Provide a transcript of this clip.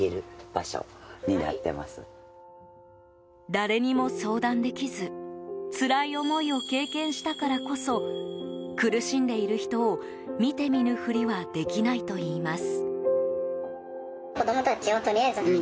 誰にも相談できずつらい思いを経験したからこそ苦しんでいる人を見て見ぬふりはできないといいます。